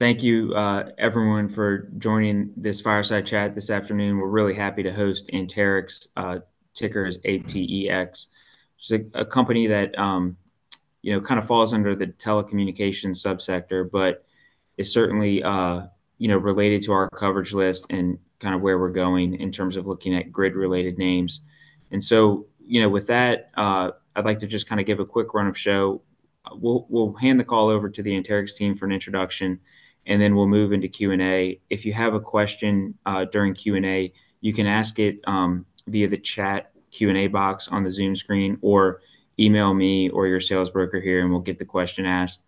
Thank you, everyone for joining this fireside chat this afternoon. We're really happy to host Anterix, ticker is ATEX. It's a company that, you know, kind of falls under the telecommunications sub-sector, is certainly, you know, related to our coverage list and kind of where we're going in terms of looking at grid-related names. You know, with that, I'd like to just kind of give a quick run of show. We'll hand the call over to the Anterix team for an introduction, then we'll move into Q&A. If you have a question, during Q&A, you can ask it via the chat Q&A box on the Zoom screen, or email me or your sales broker here, we'll get the question asked.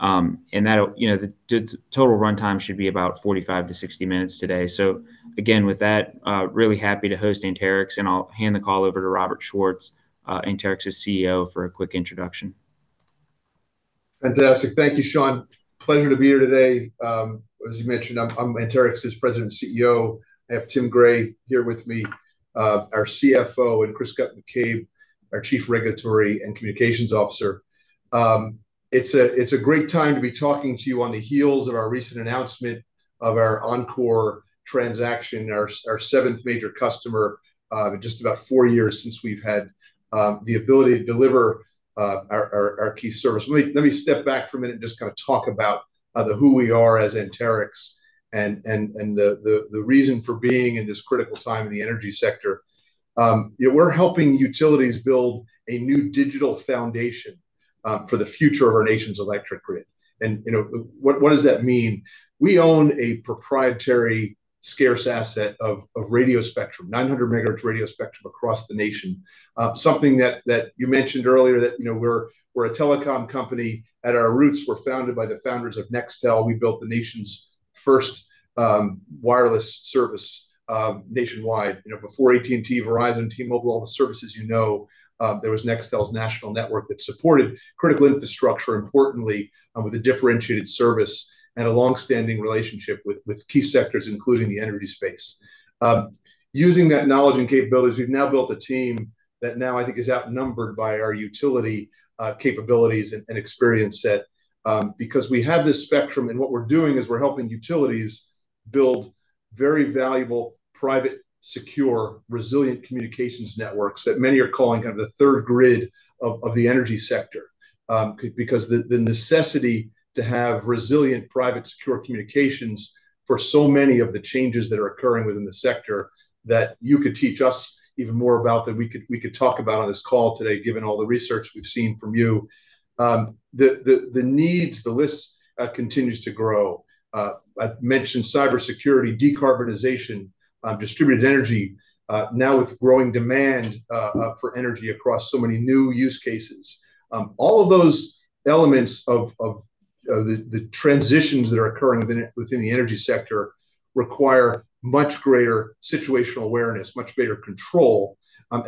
You know, the total runtime should be about 45 to 60 minutes today. Again, with that, really happy to host Anterix, and I'll hand the call over to Robert Schwartz, Anterix's CEO, for a quick introduction. Fantastic. Thank you, Sean. Pleasure to be here today. As you mentioned, I'm Anterix's President and CEO. I have Tim Gray here with me, our CFO, and Chris Guttman-McCabe, our Chief Regulatory and Communications Officer. It's a great time to be talking to you on the heels of our recent announcement of our Oncor transaction, our seventh major customer, in just about four years since we've had the ability to deliver our key service. Let me step back for a minute and just kind of talk about the who we are as Anterix and the reason for being in this critical time in the energy sector. You know, we're helping utilities build a new digital foundation for the future of our nation's electric grid. You know, what does that mean? We own a proprietary scarce asset of radio spectrum, 900 MHz radio spectrum across the nation. Something that you mentioned earlier that, you know, we're a telecom company at our roots. We're founded by the founders of Nextel. We built the nation's first wireless service nationwide. You know, before AT&T, Verizon, T-Mobile, all the services you know, there was Nextel's national network that supported critical infrastructure, importantly, with a differentiated service and a long-standing relationship with key sectors, including the energy space. Using that knowledge and capabilities, we've now built a team that now I think is outnumbered by our utility capabilities and experience set because we have this spectrum, and what we're doing is we're helping utilities build very valuable, private, secure, resilient communications networks that many are calling kind of the third grid of the energy sector. Because the necessity to have resilient, private, secure communications for so many of the changes that are occurring within the sector that you could teach us even more about than we could talk about on this call today, given all the research we've seen from you. The needs, the list continues to grow. I mentioned cybersecurity, decarbonization, distributed energy, now with growing demand for energy across so many new use cases. All of those elements of the transitions that are occurring within the energy sector require much greater situational awareness, much greater control.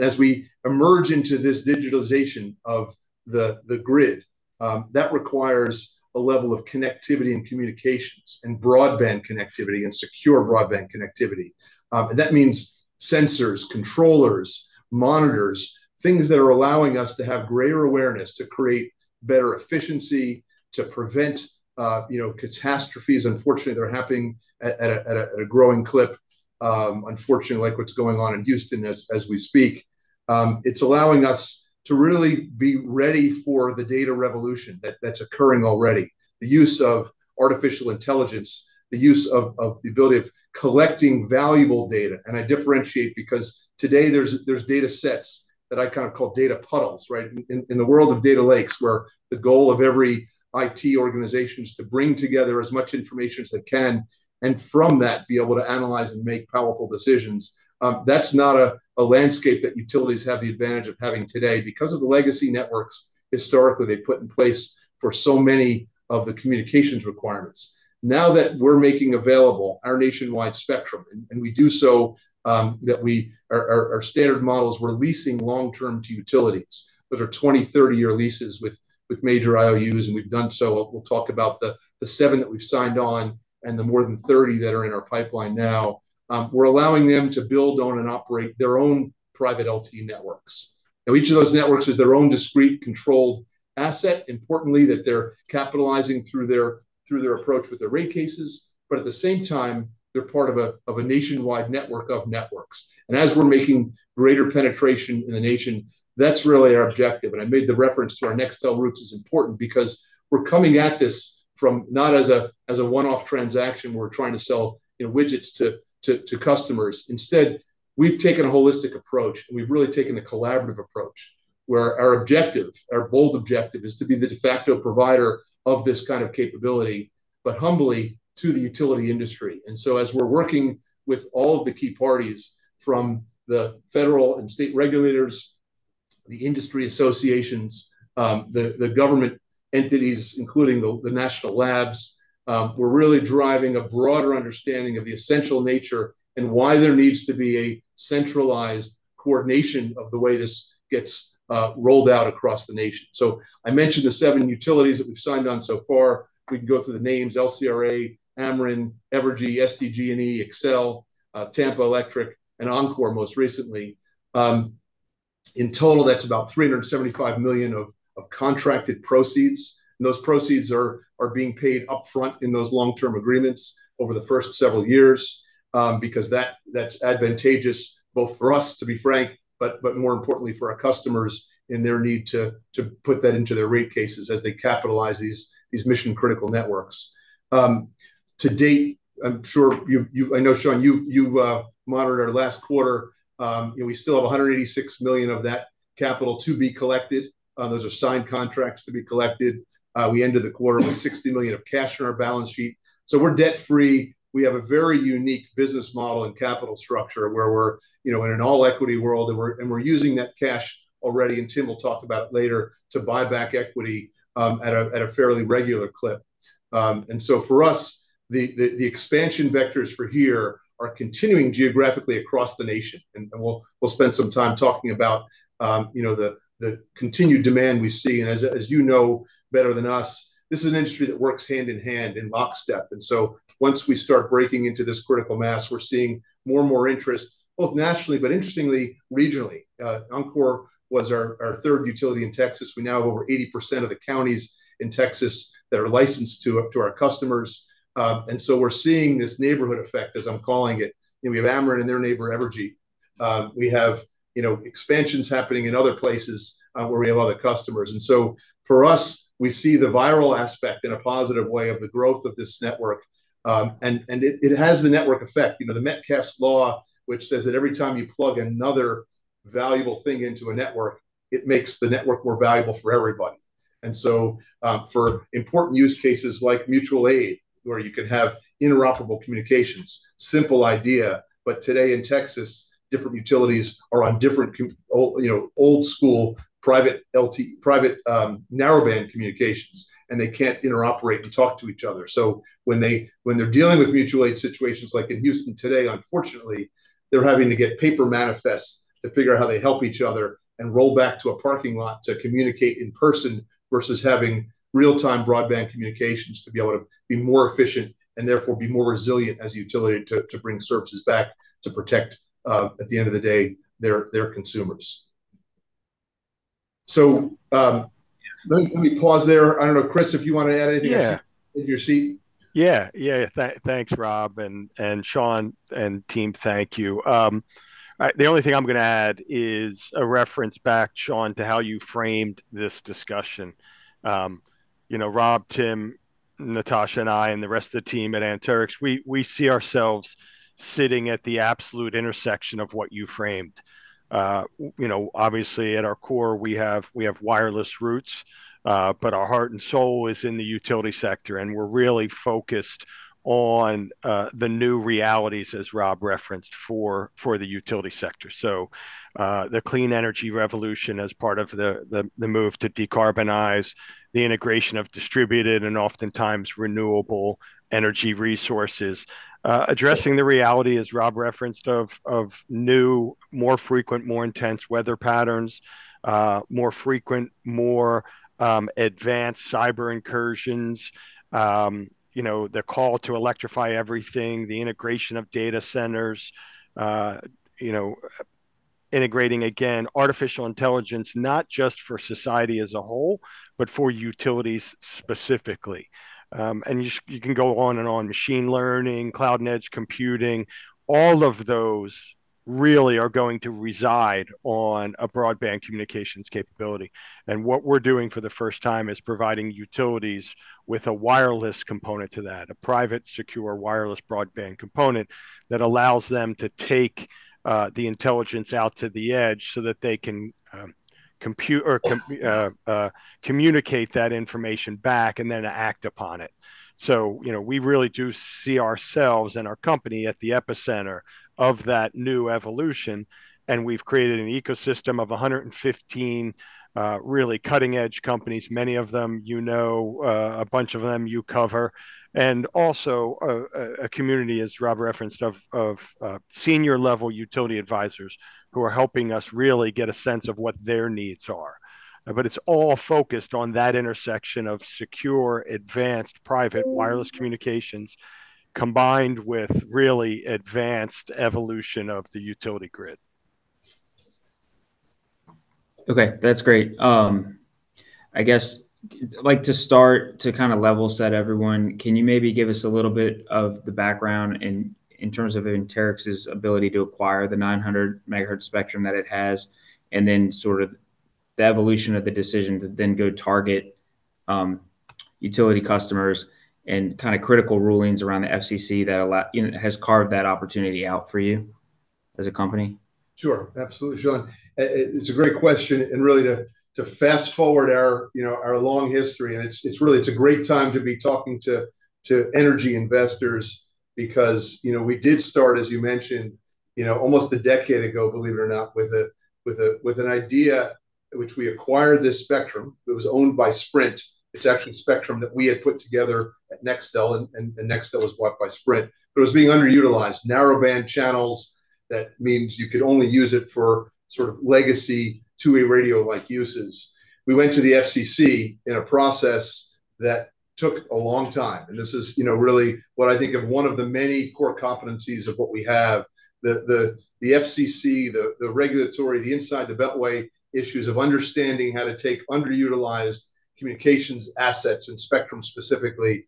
As we emerge into this digitalization of the grid, that requires a level of connectivity and communications and broadband connectivity and secure broadband connectivity. That means sensors, controllers, monitors, things that are allowing us to have greater awareness, to create better efficiency, to prevent, you know, catastrophes. Unfortunately, they're happening at a growing clip, unfortunately, like what's going on in Houston as we speak. It's allowing us to really be ready for the data revolution that's occurring already. The use of artificial intelligence, the use of the ability of collecting valuable data, and I differentiate because today there's data sets that I kind of call data puddles, right? In the world of data lakes, where the goal of every IT organization is to bring together as much information as they can, and from that be able to analyze and make powerful decisions. That's not a landscape that utilities have the advantage of having today because of the legacy networks historically they put in place for so many of the communications requirements. Now that we're making available our nationwide spectrum, and we do so, our standard model is we're leasing long-term to utilities. Those are 20, 30-year leases with major IOUs, and we've done so. We'll talk about the seven that we've signed on and the more than 30 that are in our pipeline now. We're allowing them to build on and operate their own Private LTE networks. Now, each of those networks is their own discrete, controlled asset, importantly that they're capitalizing through their approach with their rate cases, but at the same time, they're part of a nationwide network of networks. And as we're making greater penetration in the nation, that's really our objective. And I made the reference to our Nextel roots as important because we're coming at this from not as a one-off transaction, we're trying to sell, you know, widgets to customers. Instead, we've taken a holistic approach, and we've really taken a collaborative approach, where our objective, our bold objective, is to be the de facto provider of this kind of capability, but humbly to the utility industry. As we're working with all of the key parties, from the federal and state regulators, the industry associations, the government entities, including the national labs, we're really driving a broader understanding of the essential nature and why there needs to be a centralized coordination of the way this gets rolled out across the nation. I mentioned the seven utilities that we've signed on so far. We can go through the names, LCRA, Ameren, Evergy, SDG&E, Xcel, Tampa Electric, and Oncor most recently. In total, that's about $375 million of contracted proceeds. Those proceeds are being paid upfront in those long-term agreements over the first several years, because that's advantageous both for us, to be frank, but more importantly for our customers and their need to put that into their rate cases as they capitalize these mission critical networks. To date, I know, Sean, you've monitored our last quarter. You know, we still have $186 million of that capital to be collected. Those are signed contracts to be collected. We ended the quarter with $60 million of cash in our balance sheet. We're debt free. We have a very unique business model and capital structure where we're, you know, in an all equity world, and we're using that cash already, and Tim will talk about it later, to buy back equity at a fairly regular clip. For us, the expansion vectors for here are continuing geographically across the nation, and we'll spend some time talking about, you know, the continued demand we see. As you know better than us, this is an industry that works hand in hand in lockstep. Once we start breaking into this critical mass, we're seeing more and more interest, both nationally but interestingly regionally. Oncor was our third utility in Texas. We now have over 80% of the counties in Texas that are licensed to our customers. We're seeing this neighborhood effect, as I'm calling it. You know, we have Ameren and their neighbor, Evergy. We have, you know, expansions happening in other places, where we have other customers. For us, we see the viral aspect in a positive way of the growth of this network. It has the network effect. You know, Metcalfe's Law, which says that every time you plug another valuable thing into a network, it makes the network more valuable for everybody. For important use cases like mutual aid, where you can have interoperable communications, simple idea, but today in Texas, different utilities are on different old, you know, old school, private narrowband communications, and they can't interoperate and talk to each other. When they're dealing with mutual aid situations like in Houston today, unfortunately, they're having to get paper manifests to figure out how they help each other and roll back to a parking lot to communicate in person versus having real-time broadband communications to be able to be more efficient and therefore be more resilient as a utility to bring services back to protect, at the end of the day, their consumers. Let me pause there. I don't know, Chris, if you want to add anything else. Yeah in your seat. Thanks, Rob and Sean and team, thank you. The only thing I'm gonna add is a reference back, Sean, to how you framed this discussion. You know, Rob, Tim, Natasha, and I, and the rest of the team at Anterix, we see ourselves sitting at the absolute intersection of what you framed. You know, obviously at our core, we have wireless roots, but our heart and soul is in the utility sector, and we're really focused on the new realities, as Rob referenced, for the utility sector. The clean energy revolution as part of the move to decarbonize the integration of distributed and oftentimes renewable energy resources. Addressing the reality, as Rob referenced, of new, more frequent, more intense weather patterns, more frequent, more advanced cyber incursions, you know, the call to electrify everything, the integration of data centers, you know, integrating, again, artificial intelligence, not just for society as a whole, but for utilities specifically. You can go on and on. Machine learning, cloud and edge computing, all of those really are going to reside on a broadband communications capability. What we're doing for the first time is providing utilities with a wireless component to that, a private, secure, wireless broadband component that allows them to take the intelligence out to the edge so that they can compute or communicate that information back and then act upon it. You know, we really do see ourselves and our company at the epicenter of that new evolution, we've created an ecosystem of 115 really cutting-edge companies, many of them, you know, a bunch of them you cover. Also a community, as Rob referenced, of senior level utility advisors who are helping us really get a sense of what their needs are. It's all focused on that intersection of secure, advanced, private wireless communications combined with really advanced evolution of the utility grid. Okay, that's great. I guess, like, to start to kind of level set everyone, can you maybe give us a little bit of the background in terms of Anterix's ability to acquire the 900 MHz spectrum that it has, and then sort of the evolution of the decision to then go target utility customers and kind of critical rulings around the FCC that allow, you know, has carved that opportunity out for you as a company? Sure. Absolutely, Sean. It's a great question. Really to fast-forward our, you know, our long history, it's really a great time to be talking to energy investors because, you know, we did start, as you mentioned, you know, almost a decade ago, believe it or not, with an idea which we acquired this spectrum. It was owned by Sprint. It's actually spectrum that we had put together at Nextel. Nextel was bought by Sprint. It was being underutilized, narrowband channels. That means you could only use it for sort of legacy two-way radio-like uses. We went to the FCC in a process that took a long time. This is, you know, really what I think of one of the many core competencies of what we have. The FCC, the regulatory, the inside the beltway issues of understanding how to take underutilized communications assets and spectrum specifically,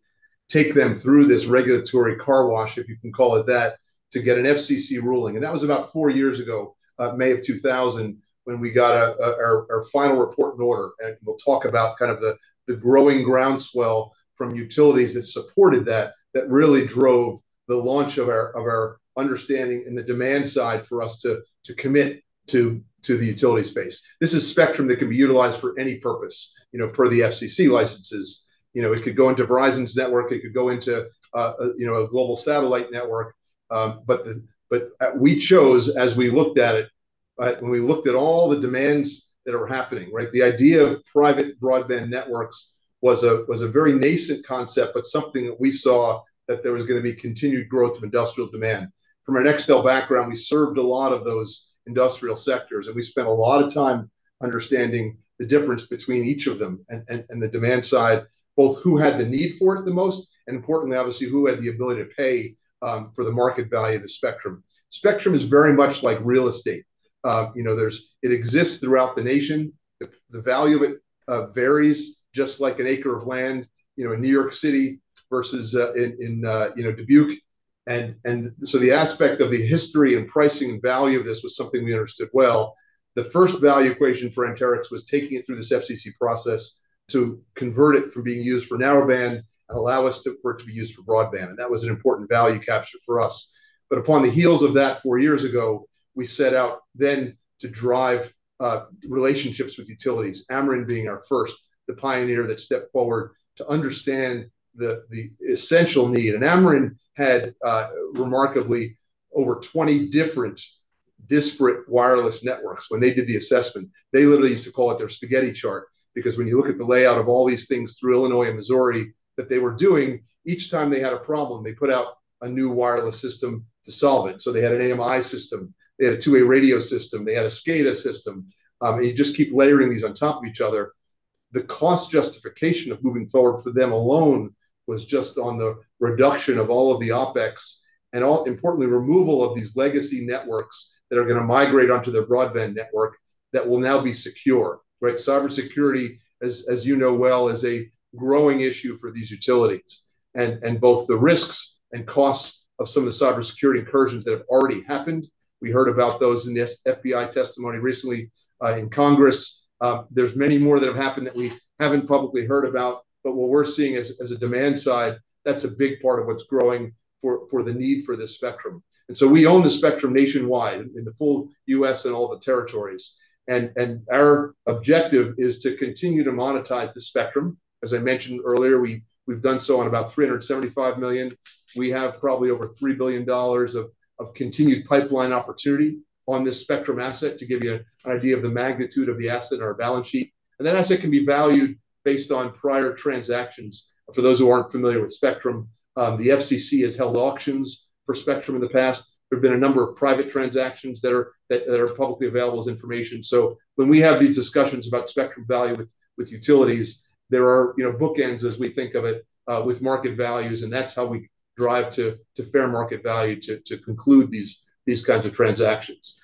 take them through this regulatory car wash, if you can call it that, to get an FCC ruling. That was about 4 years ago, May of 2000, when we got our final Report and Order. We'll talk about kind of the growing groundswell from utilities that supported that really drove the launch of our understanding and the demand side for us to commit to the utility space. This is spectrum that can be utilized for any purpose, you know, per the FCC licenses. You know, it could go into Verizon's network, it could go into, you know, a global satellite network. We chose, as we looked at it, when we looked at all the demands that are happening, right? The idea of private broadband networks was a very nascent concept, but something that we saw that there was going to be continued growth of industrial demand. From an Nextel background, we served a lot of those industrial sectors, and we spent a lot of time understanding the difference between each of them and the demand side, both who had the need for it the most, and importantly, obviously, who had the ability to pay for the market value of the spectrum. Spectrum is very much like real estate, you know, it exists throughout the nation. The value of it varies just like an acre of land, you know, in New York City versus, in, you know, Dubuque. The aspect of the history and pricing and value of this was something we understood well. The first value equation for Anterix was taking it through this FCC process to convert it from being used for narrowband and allow for it to be used for broadband, that was an important value capture for us. Upon the heels of that four years ago, we set out then to drive relationships with utilities, Ameren being our first, the pioneer that stepped forward to understand the essential need. Ameren had remarkably over 20 different disparate wireless networks when they did the assessment. They literally used to call it their spaghetti chart. When you look at the layout of all these things through Illinois and Missouri that they were doing, each time they had a problem, they put out a new wireless system to solve it. They had an AMI system, they had a two-way radio system, they had a SCADA system. You just keep layering these on top of each other. The cost justification of moving forward for them alone was just on the reduction of all of the OpEx and importantly, removal of these legacy networks that are going to migrate onto their broadband network that will now be secure, right? Cybersecurity, as you know well, is a growing issue for these utilities. Both the risks and costs of some of the cybersecurity incursions that have already happened, we heard about those in this FBI testimony recently, in Congress. There's many more that have happened that we haven't publicly heard about. What we're seeing as a demand side, that's a big part of what's growing for the need for this spectrum. We own the spectrum nationwide in the full U.S. and all the territories. Our objective is to continue to monetize the spectrum. As I mentioned earlier, we've done so on about $375 million. We have probably over $3 billion of continued pipeline opportunity on this spectrum asset to give you an idea of the magnitude of the asset on our balance sheet. That asset can be valued based on prior transactions. For those who aren't familiar with spectrum, the FCC has held auctions for spectrum in the past. There have been a number of private transactions that are publicly available as information. When we have these discussions about spectrum value with utilities, there are, you know, bookends as we think of it, with market values, and that's how we drive to fair market value to conclude these kinds of transactions.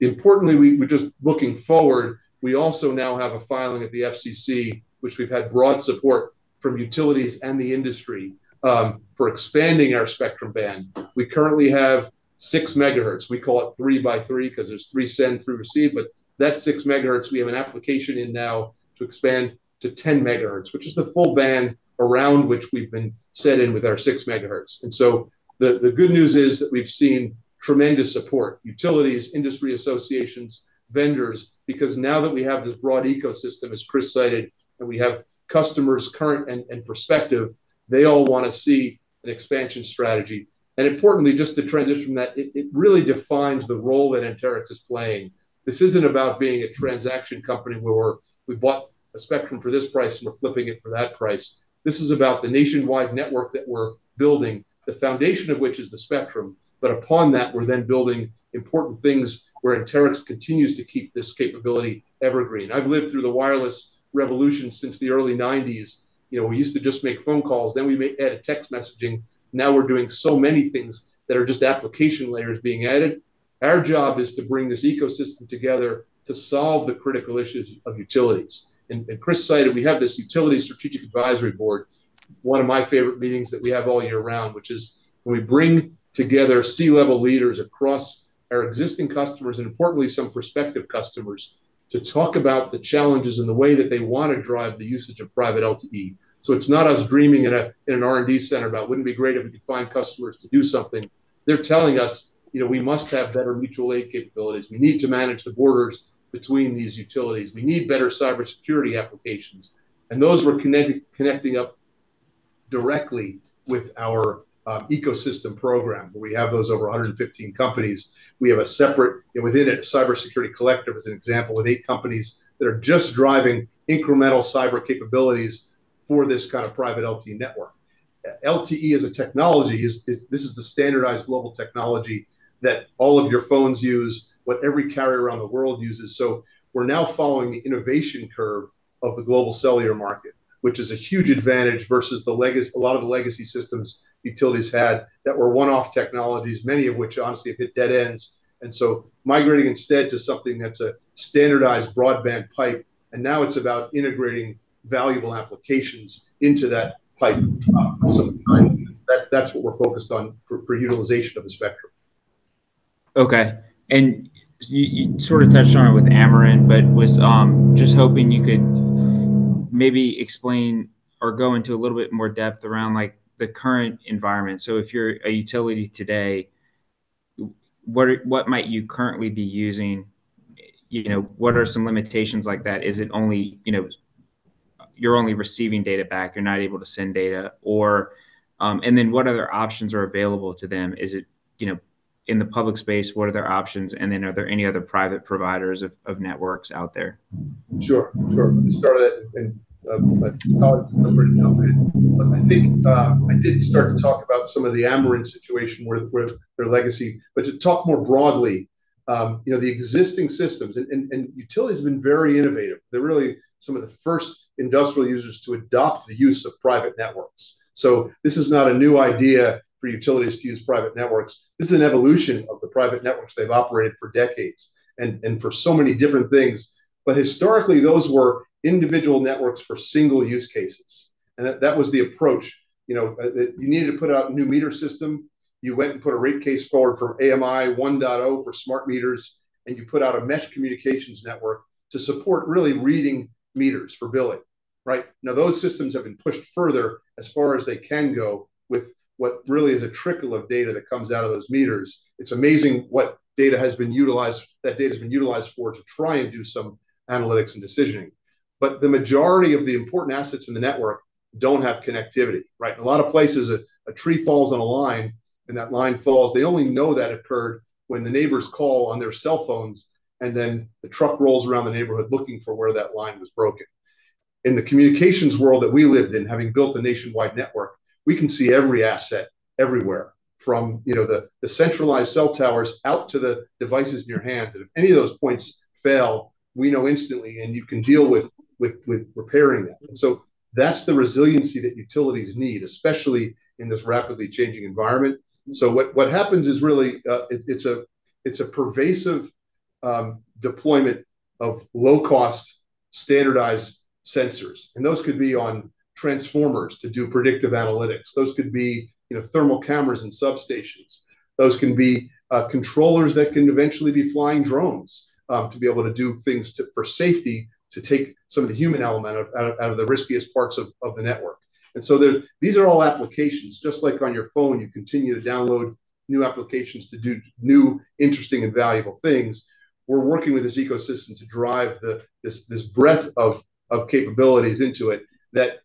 Importantly, we're just looking forward. We also now have a filing at the FCC, which we've had broad support from utilities and the industry for expanding our spectrum band. We currently have 6 MHz. We call it 3x3 because there's three send, three receive, but that's 6 MHz. We have an application in now to expand to 10 MHz, which is the full band around which we've been centered with our 6 MHz. The good news is that we've seen tremendous support, utilities, industry associations, vendors, because now that we have this broad ecosystem, as Chris cited, and we have customers current and prospective, they all want to see an expansion strategy. Importantly, just to transition that, it really defines the role that Anterix is playing. This isn't about being a transaction company where we bought a spectrum for this price and we're flipping it for that price. This is about the nationwide network that we're building, the foundation of which is the spectrum. Upon that, we're then building important things where Anterix continues to keep this capability evergreen. I've lived through the wireless revolution since the early nineties. You know, we used to just make phone calls, then we added text messaging. Now we're doing so many things that are just application layers being added. Our job is to bring this ecosystem together to solve the critical issues of utilities. Chris cited, we have this utility strategic advisory board, one of my favorite meetings that we have all year round, which is when we bring together C-level leaders across our existing customers, importantly, some prospective customers, to talk about the challenges and the way that they want to drive the usage of Private LTE. It's not us dreaming in a, in an R&D center about wouldn't it be great if we could find customers to do something. They're telling us, you know, we must have better mutual aid capabilities. We need to manage the borders between these utilities. We need better cybersecurity applications. Those we're connecting up directly with our Ecosystem Program, where we have those over 115 companies. We have a separate, and within it, a cybersecurity collective as an example, with eight companies that are just driving incremental cyber capabilities for this kind of private LTE network. LTE as a technology is, this is the standardized global technology that all of your phones use, what every carrier around the world uses. We're now following the innovation curve of the global cellular market, which is a huge advantage versus a lot of the legacy systems utilities had that were one-off technologies, many of which honestly have hit dead ends. Migrating instead to something that's a standardized broadband pipe, and now it's about integrating valuable applications into that pipe. That's what we're focused on for utilization of the spectrum. Okay. You, you sort of touched on it with Ameren, but was just hoping you could maybe explain or go into a little bit more depth around, like, the current environment. If you're a utility today, what might you currently be using? You know, what are some limitations like that? Is it only, you know, you're only receiving data back, you're not able to send data? What other options are available to them? Is it, you know, in the public space, what are their options? Are there any other private providers of networks out there? Sure. Sure. To start at, in, my colleagues have covered it now, I think, I did start to talk about some of the Ameren situation. To talk more broadly, you know, the existing systems, and utilities have been very innovative. They're really some of the first industrial users to adopt the use of private networks. This is not a new idea for utilities to use private networks. This is an evolution of the private networks they've operated for decades and for so many different things. Historically, those were individual networks for single use cases, and that was the approach. You know, that you needed to put out a new meter system, you went and put a rate case forward for AMI 1.0 for smart meters, and you put out a mesh communications network to support really reading meters for billing, right? Those systems have been pushed further as far as they can go with what really is a trickle of data that comes out of those meters. It's amazing what data has been utilized, that data's been utilized for to try and do some analytics and decisioning. The majority of the important assets in the network don't have connectivity, right? In a lot of places, a tree falls on a line, and that line falls. They only know that occurred when the neighbors call on their cell phones, and then the truck rolls around the neighborhood looking for where that line was broken. In the communications world that we lived in, having built a nationwide network, we can see every asset everywhere from, you know, the centralized cell towers out to the devices in your hand, that if any of those points fail, we know instantly, and you can deal with repairing that. That's the resiliency that utilities need, especially in this rapidly changing environment. What happens is really, it's a pervasive deployment of low-cost standardized sensors, and those could be on transformers to do predictive analytics. Those could be, you know, thermal cameras in substations. Those can be controllers that can eventually be flying drones to be able to do things to, for safety to take some of the human element out of the riskiest parts of the network. There, these are all applications. Just like on your phone, you continue to download new applications to do new, interesting, and valuable things. We're working with this ecosystem to drive this breadth of capabilities into it, that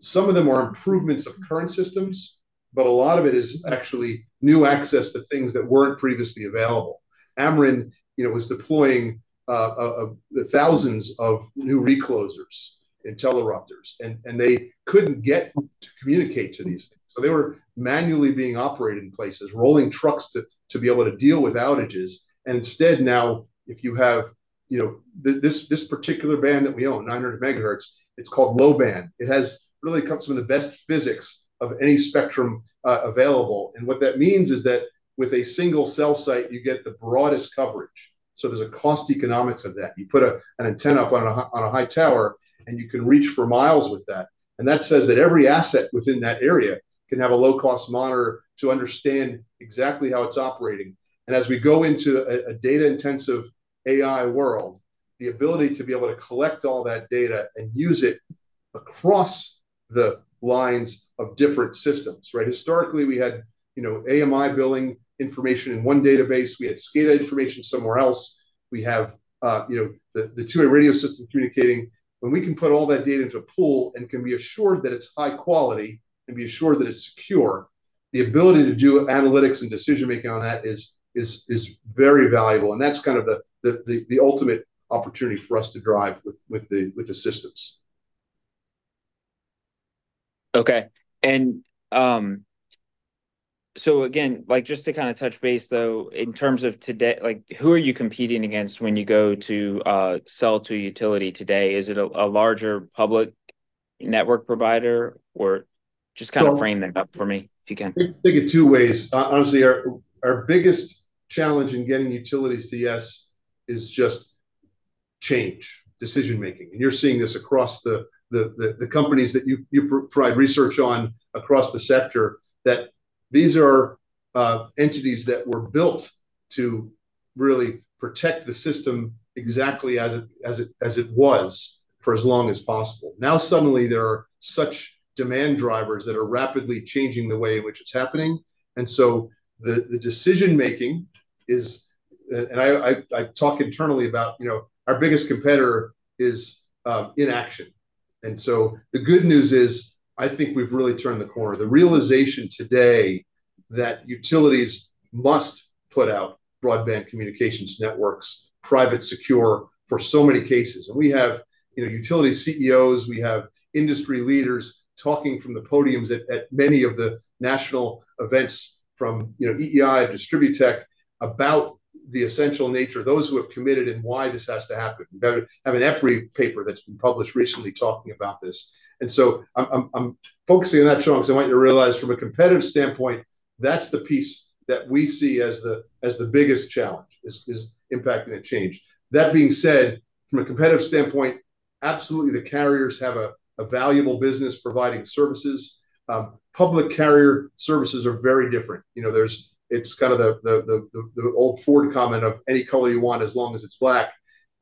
some of them are improvements of current systems, but a lot of it is actually new access to things that weren't previously available. Ameren, you know, was deploying the thousands of new reclosers and teleprotectors, and they couldn't get to communicate to these things. They were manually being operated in places, rolling trucks to be able to deal with outages. Instead, now, if you have, you know... This particular band that we own, 900 MHz, it's called low-band. It has really got some of the best physics of any spectrum available. What that means is that with a single cell site, you get the broadest coverage. There's a cost economics of that. You put an antenna up on a high tower, and you can reach for miles with that. That says that every asset within that area can have a low-cost monitor to understand exactly how it's operating. As we go into a data-intensive AI world, the ability to be able to collect all that data and use it across the lines of different systems, right? Historically, we had, you know, AMI billing information in one database. We had SCADA information somewhere else. We have, you know, the two-way radio system communicating. When we can put all that data into a pool and can be assured that it's high quality and be assured that it's secure, the ability to do analytics and decision-making on that is very valuable, and that's kind of the ultimate opportunity for us to drive with the systems. Okay. Again, like, just to kind of touch base, though, in terms of today, like, who are you competing against when you go to sell to a utility today? Is it a larger public network provider or just kind of? So- frame that up for me, if you can. We take it two ways. Honestly, our biggest challenge in getting utilities to yes is just change, decision-making. You're seeing this across the companies that you provide research on across the sector, that these are entities that were built to really protect the system exactly as it was for as long as possible. Now suddenly, there are such demand drivers that are rapidly changing the way in which it's happening. The decision-making is. I talk internally about, you know, our biggest competitor is inaction. The good news is I think we've really turned the corner. The realization today that utilities must put out broadband communications networks, private, secure for so many cases. We have, you know, utility CEOs, we have industry leaders talking from the podiums at many of the national events from, you know, EEI and DistribuTECH about the essential nature, those who have committed and why this has to happen. We have an EPRI paper that's been published recently talking about this. I'm focusing on that, Sean, because I want you to realize from a competitive standpoint, that's the piece that we see as the biggest challenge is impacting that change. That being said, from a competitive standpoint, absolutely the carriers have a valuable business providing services. Public carrier services are very different. You know, there's it's kind of the old Ford comment of any color you want as long as it's black.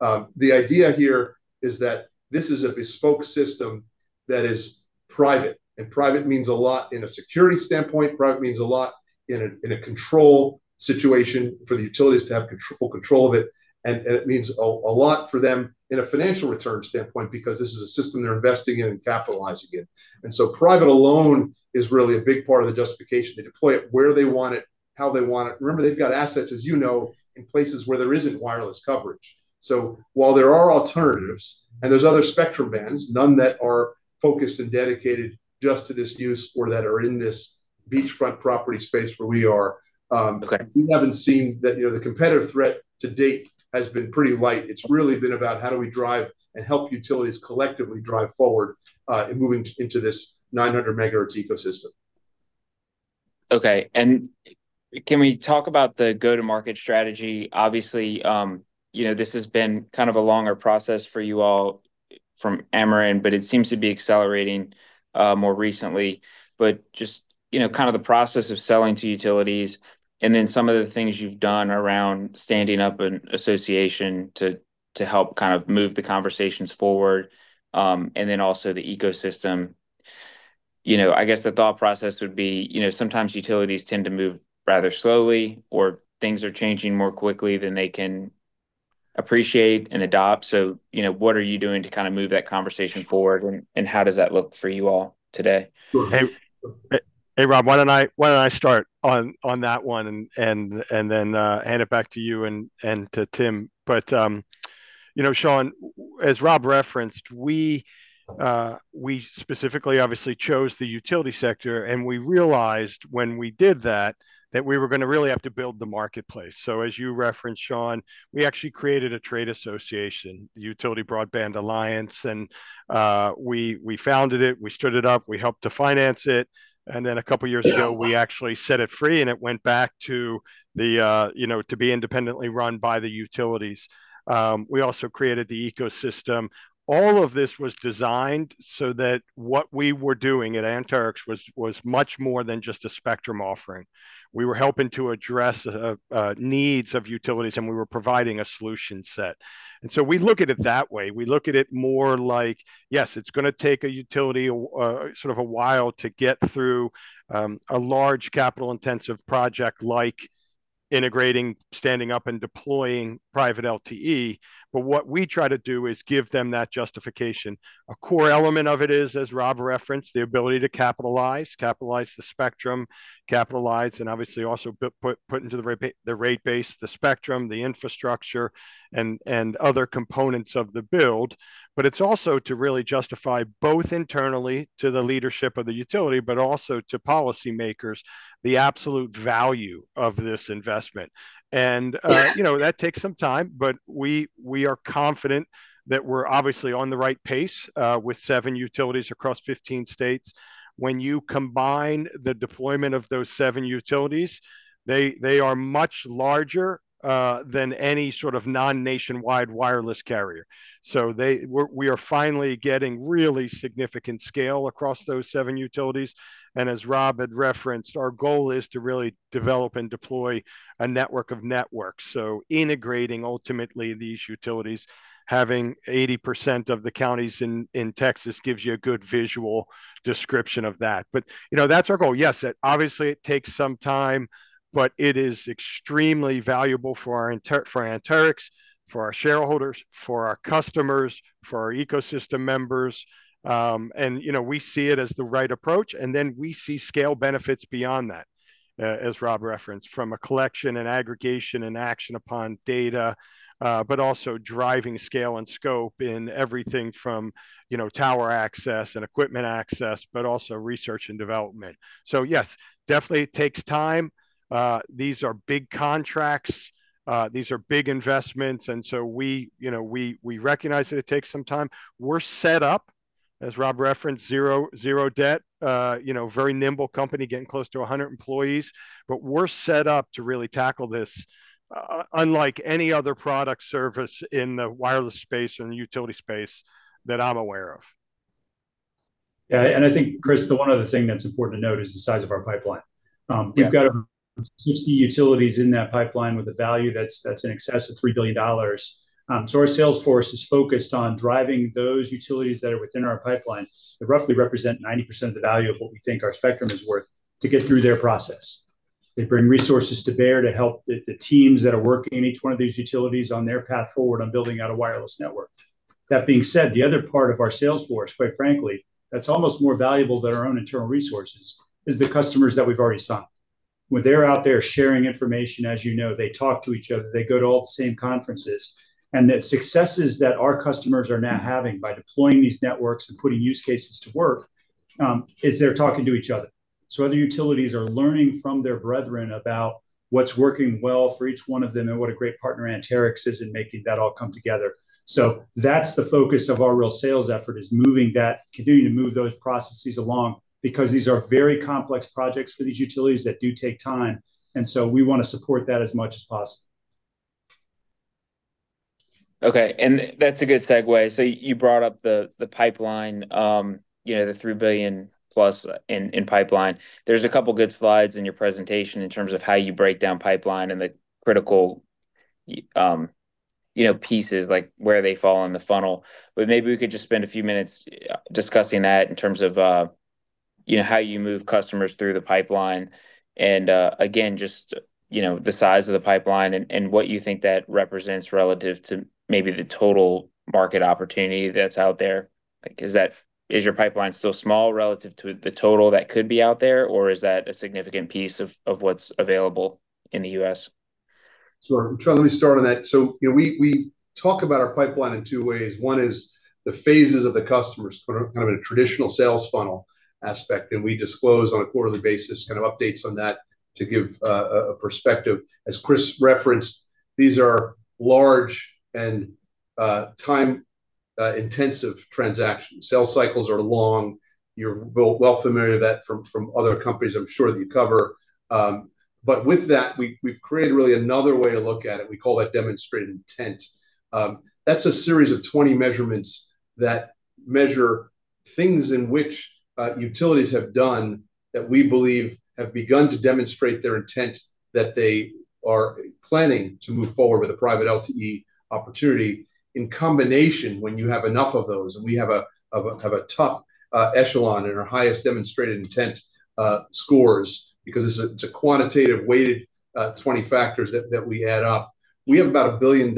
The idea here is that this is a bespoke system that is private, and private means a lot in a security standpoint, private means a lot in a control situation for the utilities to have control of it, and it means a lot for them in a financial return standpoint because this is a system they're investing in and capitalizing in. Private alone is really a big part of the justification. They deploy it where they want it, how they want it. Remember, they've got assets, as you know, in places where there isn't wireless coverage. While there are alternatives and there's other spectrum bands, none that are focused and dedicated just to this use or that are in this beachfront property space where we are. Okay We haven't seen the, you know the competitive threat to date has been pretty light. It's really been about how do we drive and help utilities collectively drive forward, in moving into this 900 MHz ecosystem. Okay. Can we talk about the go-to-market strategy? Obviously, you know, this has been kind of a longer process for you all from Ameren, but it seems to be accelerating more recently. Just, you know, kind of the process of selling to utilities and then some of the things you've done around standing up an association to help kind of move the conversations forward, and then also the ecosystem. You know, I guess the thought process would be, you know, sometimes utilities tend to move rather slowly or things are changing more quickly than they can appreciate and adopt. You know, what are you doing to kind of move that conversation forward and how does that look for you all today? Go ahead. Hey, Rob, why don't I start on that one and then hand it back to you and to Tim. You know, Sean, as Rob referenced, we specifically obviously chose the utility sector, and we realized when we did that that we were gonna really have to build the marketplace. As you referenced, Sean, we actually created a trade association, Utility Broadband Alliance. We founded it, we stood it up, we helped to finance it, and then a couple years ago we actually set it free and it went back to the, you know, to be independently run by the utilities. We also created the ecosystem. All of this was designed so that what we were doing at Anterix was much more than just a spectrum offering. We were helping to address needs of utilities, and we were providing a solution set. We look at it that way. We look at it more like, yes, it's gonna take a utility sort of a while to get through a large capital intensive project like integrating, standing up and deploying Private LTE. What we try to do is give them that justification. A core element of it is, as Rob referenced, the ability to capitalize the spectrum, capitalize and obviously also put into the rate base, the spectrum, the infrastructure and other components of the build. It's also to really justify both internally to the leadership of the utility, but also to policymakers the absolute value of this investment. You know, that takes some time, but we are confident that we're obviously on the right pace with seven utilities across 15 states. When you combine the deployment of those seven utilities, they are much larger than any sort of non-nationwide wireless carrier. We are finally getting really significant scale across those seven utilities. As Rob had referenced, our goal is to really develop and deploy a network of networks. Integrating ultimately these utilities, having 80% of the counties in Texas gives you a good visual description of that. You know, that's our goal. Yes, it obviously it takes some time, but it is extremely valuable for Anterix, for our shareholders, for our customers, for our ecosystem members. You know, we see it as the right approach, then we see scale benefits beyond that, as Rob referenced, from a collection and aggregation and action upon data, but also driving scale and scope in everything from, you know, tower access and equipment access, but also research and development. Yes, definitely it takes time. These are big contracts. These are big investments. We, you know, we recognize that it takes some time. We're set up, as Rob referenced, zero debt, you know, very nimble company, getting close to 100 employees. We're set up to really tackle this, unlike any other product service in the wireless space or in the utility space that I'm aware of. Yeah. I think, Chris, the one other thing that's important to note is the size of our pipeline. Yeah. We've got over 60 utilities in that pipeline with a value that's in excess of $3 billion. Our sales force is focused on driving those utilities that are within our pipeline that roughly represent 90% of the value of what we think our spectrum is worth to get through their process. They bring resources to bear to help the teams that are working in each one of these utilities on their path forward on building out a wireless network. That being said, the other part of our sales force, quite frankly, that's almost more valuable than our own internal resources, is the customers that we've already signed. When they're out there sharing information, as you know, they talk to each other, they go to all the same conferences, and the successes that our customers are now having by deploying these networks and putting use cases to work, is they're talking to each other. Other utilities are learning from their brethren about what's working well for each one of them and what a great partner Anterix is in making that all come together. That's the focus of our real sales effort, is continuing to move those processes along, because these are very complex projects for these utilities that do take time. We want to support that as much as possible. Okay. That's a good segue. You brought up the pipeline, you know, the $3 billion+ in pipeline. There's a couple good slides in your presentation in terms of how you break down pipeline and the critical, you know, pieces like where they fall in the funnel. Maybe we could just spend a few minutes discussing that in terms of, you know, how you move customers through the pipeline and, again, just, you know, the size of the pipeline and what you think that represents relative to maybe the total market opportunity that's out there. Like, is your pipeline still small relative to the total that could be out there, or is that a significant piece of what's available in the U.S.? Sure. Let me start on that. You know, we talk about our pipeline in two ways. One is the phases of the customers, kind of a traditional sales funnel aspect, and we disclose on a quarterly basis kind of updates on that to give a perspective. As Chris referenced, these are large and time intensive transactions. Sales cycles are long. You're well familiar with that from other companies I'm sure that you cover. With that, we've created really another way to look at it. We call that Demonstrated Intent. That's a series of 20 measurements that measure things in which utilities have done that we believe have begun to demonstrate their intent that they are planning to move forward with a Private LTE opportunity. In combination, when you have enough of those, and we have a top echelon in our highest Demonstrated Intent scores, because it's a quantitative weighted 20 factors that we add up. We have about $1 billion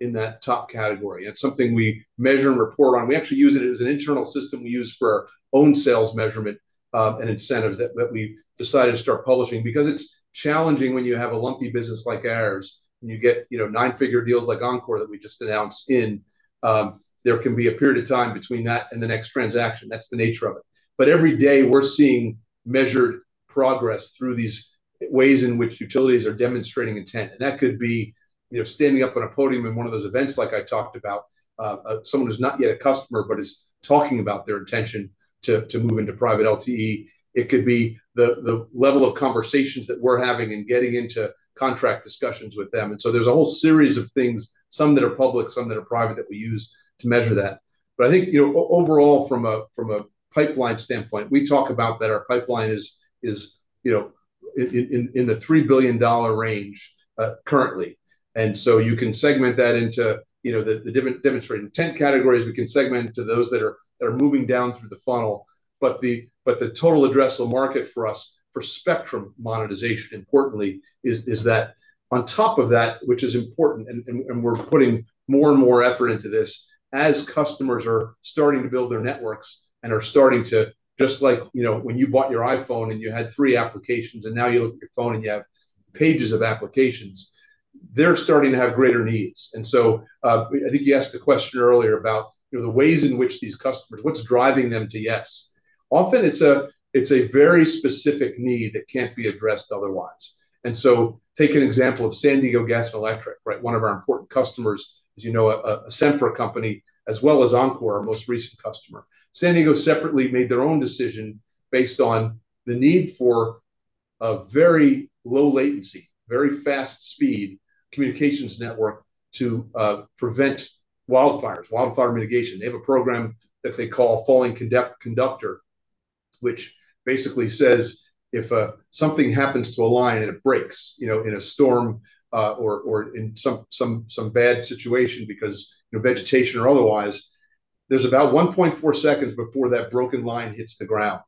in that top category. It's something we measure and report on. We actually use it as an internal system we use for our own sales measurement and incentives that we've decided to start publishing because it's challenging when you have a lumpy business like ours, and you get, you know, nine figure deals like Oncor that we just announced in, there can be a period of time between that and the next transaction. That's the nature of it. Every day, we're seeing measured progress through these ways in which utilities are demonstrating intent. That could be, you know, standing up on a podium in one of those events like I talked about, someone who's not yet a customer but is talking about their intention to move into Private LTE. It could be the level of conversations that we're having and getting into contract discussions with them. There's a whole series of things, some that are public, some that are private, that we use to measure that. I think, you know, overall from a pipeline standpoint, we talk about that our pipeline is, you know, in the $3 billion range currently. You can segment that into, you know, the Demonstrated Intent categories. We can segment it to those that are moving down through the funnel. The total addressable market for us for spectrum monetization, importantly, is that on top of that, which is important, and we're putting more and more effort into this, as customers are starting to build their networks and are starting to. Just like, you know, when you bought your iPhone, and you had three applications, and now you look at your phone, and you have pages of applications, they're starting to have greater needs. I think you asked a question earlier about, you know, the ways in which these customers, what's driving them to yes. Often it's a very specific need that can't be addressed otherwise. Take an example of San Diego Gas & Electric, right? One of our important customers is, you know, a Sempra company, as well as Oncor, our most recent customer. San Diego separately made their own decision based on the need for a very low latency, very fast speed communications network to prevent wildfires, wildfire mitigation. They have a program that they call Falling Conductor Program, which basically says if something happens to a line and it breaks, you know, in a storm, or in some bad situation because, you know, vegetation or otherwise, there's about 1.4 seconds before that broken line hits the ground.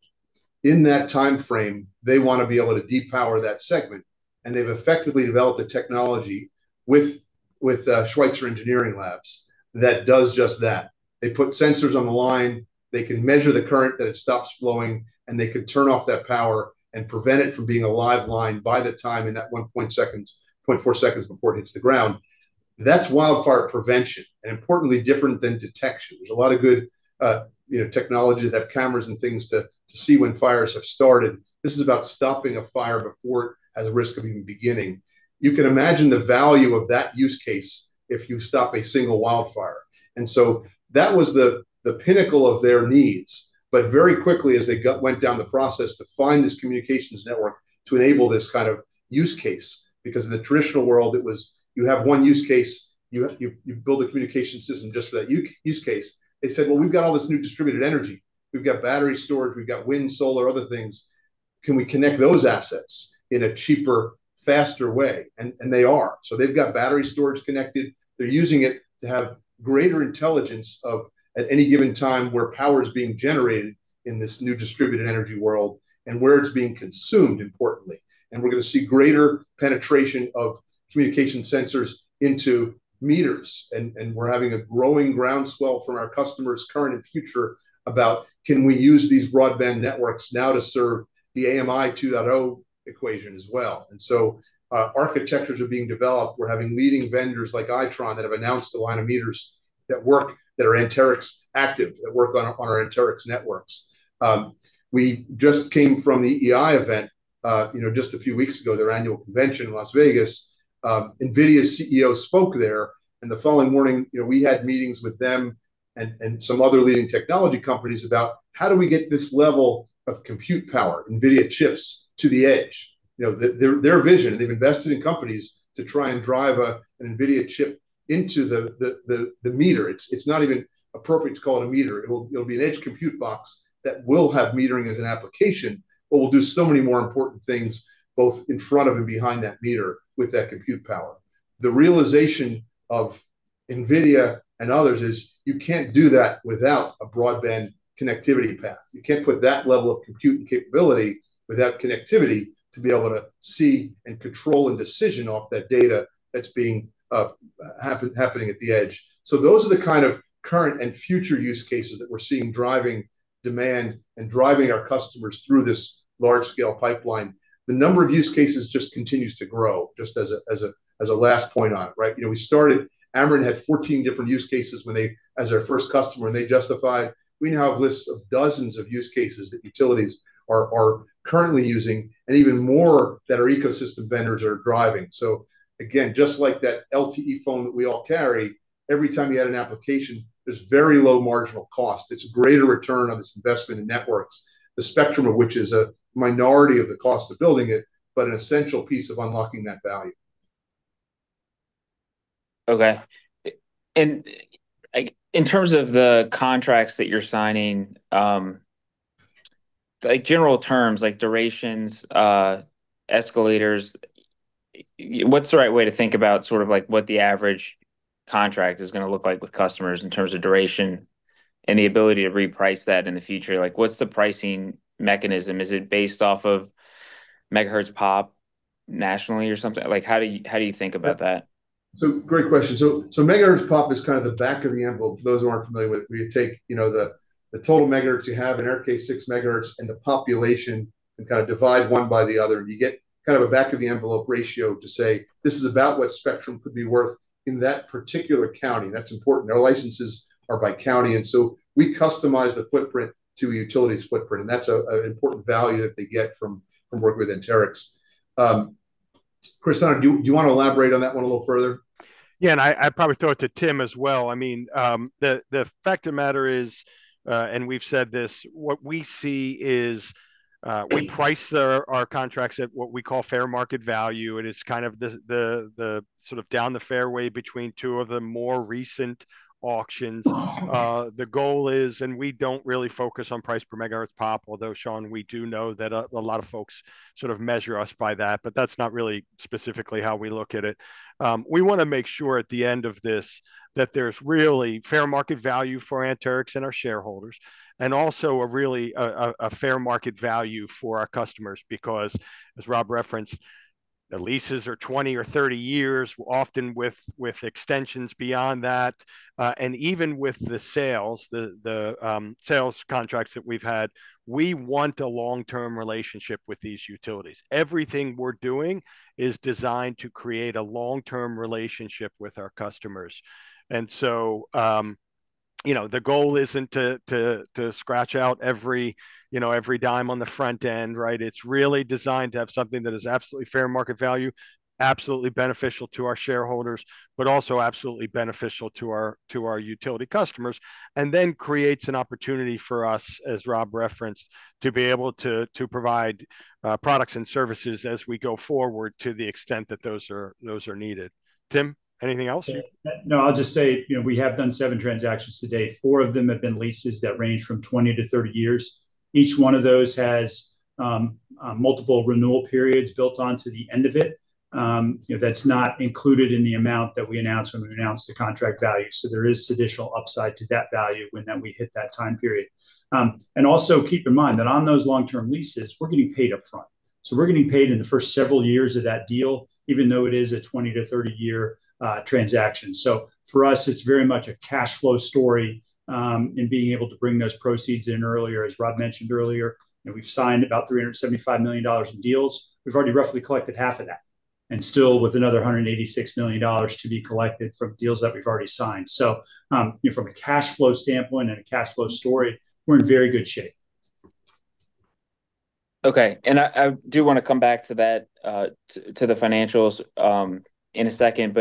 In that time frame, they wanna be able to depower that segment, and they've effectively developed the technology with Schweitzer Engineering Laboratories that does just that. They put sensors on the line, they can measure the current that it stops flowing. They can turn off that power and prevent it from being a live line by the time in that 0.4 seconds before it hits the ground. That's wildfire prevention, importantly different than detection. There's a lot of good, you know, technology. They have cameras and things to see when fires have started. This is about stopping a fire before it has a risk of even beginning. You can imagine the value of that use case if you stop a single wildfire. That was the pinnacle of their needs. Very quickly as they went down the process to find this communications network to enable this kind of use case, because in the traditional world, it was you have one use case, you build a communication system just for that use case. They said, "Well, we've got all this new distributed energy. We've got battery storage, we've got wind, solar, other things. Can we connect those assets in a cheaper, faster way?" They are. They've got battery storage connected. They're using it to have greater intelligence of, at any given time, where power is being generated in this new distributed energy world, and where it's being consumed, importantly. We're gonna see greater penetration of communication sensors into meters. We're having a growing groundswell from our customers, current and future, about can we use these broadband networks now to serve the AMI 2.0 equation as well. Architectures are being developed. We're having leading vendors like Itron that have announced a line of meters that work, that are Anterix Active, that work on our Anterix networks. We just came from the EEI event, you know, just a few weeks ago, their annual convention in Las Vegas. Nvidia's CEO spoke there, and the following morning, you know, we had meetings with them and some other leading technology companies about how do we get this level of compute power, Nvidia chips, to the edge. You know, their vision, they've invested in companies to try and drive an Nvidia chip into the meter. It's not even appropriate to call it a meter. It'll be an edge compute box that will have metering as an application but will do so many more important things both in front of and behind that meter with that compute power. The realization of Nvidia and others is you can't do that without a broadband connectivity path. You can't put that level of compute and capability without connectivity to be able to see and control a decision off that data that's being happening at the edge. Those are the kind of current and future use cases that we're seeing driving demand and driving our customers through this large scale pipeline. The number of use cases just continues to grow, just as a last point on it, right? You know, we started, Ameren had 14 different use cases when they, as our first customer, and they justified. We now have lists of dozens of use cases that utilities are currently using and even more that our ecosystem vendors are driving. Again, just like that LTE phone that we all carry, every time you add an application, there's very low marginal cost. It's greater return on this investment in networks, the spectrum of which is a minority of the cost of building it, but an essential piece of unlocking that value. Okay. Like, in terms of the contracts that you're signing, like general terms, like durations, escalators, what's the right way to think about sort of like what the average contract is gonna look like with customers in terms of duration and the ability to reprice that in the future? Like, what's the pricing mechanism? Is it based off of megahertz pop nationally or something? Like, how do you think about that? Great question. Megahertz pop is kind of the back of the envelope for those who aren't familiar with. We take, you know, the total megahertz you have, in our case, 6 MHz, and the population and kind of divide one by the other, and you get kind of a back of the envelope ratio to say this is about what spectrum could be worth in that particular county. That's important. Our licenses are by county, we customize the footprint to a utility's footprint, and that's an important value that they get from working with Anterix. Chris, do you wanna elaborate on that one a little further? Yeah, I'd probably throw it to Tim as well. I mean, the fact of matter is, we've said this, what we see is, we price our contracts at what we call fair market value, and it's kind of the sort of down the fairway between two of the more recent auctions. The goal is, and we don't really focus on price per megahertz pop, although, Sean, we do know that a lot of folks sort of measure us by that, but that's not really specifically how we look at it. We want to make sure at the end of this that there's really fair market value for Anterix and our shareholders and also a really a fair market value for our customers because, as Rob referenced, the leases are 20 or 30 years, often with extensions beyond that. Even with the sales contracts that we've had, we want a long-term relationship with these utilities. Everything we're doing is designed to create a long-term relationship with our customers. You know, the goal isn't to scratch out every, you know, every dime on the front end, right? It's really designed to have something that is absolutely fair market value, absolutely beneficial to our shareholders, also absolutely beneficial to our utility customers, creates an opportunity for us, as Rob referenced, to be able to provide products and services as we go forward to the extent that those are needed. Tim, anything else? I'll just say, you know, we have done seven transactions to date. Four of them have been leases that range from 20 to 30 years. Each one of those has multiple renewal periods built onto the end of it. You know, that's not included in the amount that we announce when we announce the contract value. There is additional upside to that value when then we hit that time period. Also keep in mind that on those long-term leases, we're getting paid up front. We're getting paid in the first several years of that deal, even though it is a 20 to 30 year transaction. For us, it's very much a cash flow story in being able to bring those proceeds in earlier. As Rob mentioned earlier, you know, we've signed about $375 million in deals. We've already roughly collected half of that, and still with another $186 million to be collected from deals that we've already signed. You know, from a cash flow standpoint and a cash flow story, we're in very good shape. I do want to come back to that, to the financials, in a second.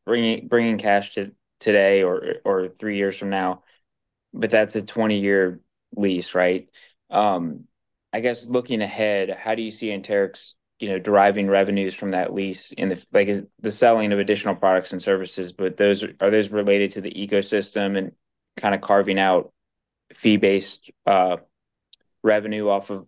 Like, in terms of the ability to sign a deal, bringing cash to today or three years from now, that's a 20-year lease, right? I guess looking ahead, how do you see Anterix, you know, deriving revenues from that lease? Like, is the selling of additional products and services related to the ecosystem and kind of carving out fee-based revenue off of,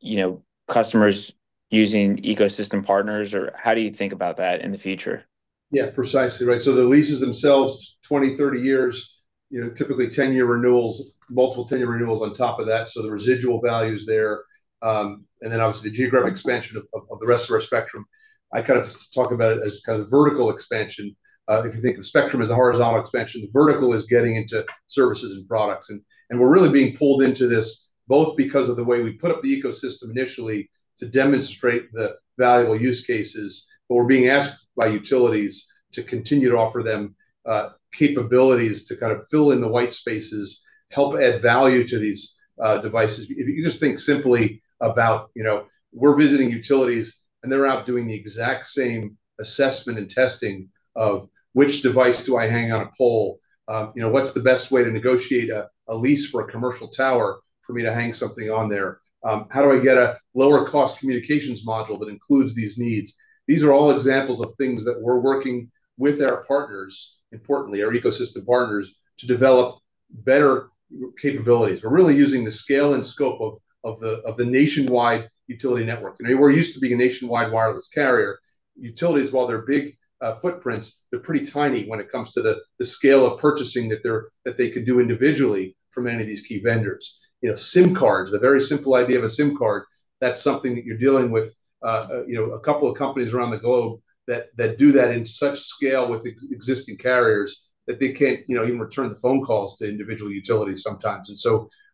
you know, customers using ecosystem partners? How do you think about that in the future? Yeah. Precisely, right. The leases themselves, 20, 30 years, you know, typically 10-year renewals, multiple 10-year renewals on top of that, the residual value's there. Then obviously the geographic expansion of, of the rest of our spectrum. I kind of talk about it as kind of vertical expansion. If you think of spectrum as a horizontal expansion, vertical is getting into services and products. We're really being pulled into this both because of the way we put up the ecosystem initially to demonstrate the valuable use cases, but we're being asked by utilities to continue to offer them capabilities to kind of fill in the white spaces, help add value to these devices. If you just think simply about, you know, we're visiting utilities, and they're out doing the exact same assessment and testing of which device do I hang on a pole. You know, what's the best way to negotiate a lease for a commercial tower for me to hang something on there? How do I get a lower cost communications module that includes these needs? These are all examples of things that we're working with our partners, importantly our ecosystem partners, to develop better capabilities. We're really using the scale and scope of the nationwide utility network. You know, we're used to being a nationwide wireless carrier. Utilities, while they're big footprints, they're pretty tiny when it comes to the scale of purchasing that they could do individually from any of these key vendors. You know, SIM cards, the very simple idea of a SIM card, that's something that you're dealing with, you know, a couple of companies around the globe that do that in such scale with existing carriers that they can't, you know, even return the phone calls to individual utilities sometimes.